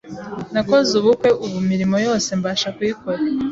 nakoze ubukwe, ubu imirimo yose mbasha kuyikora,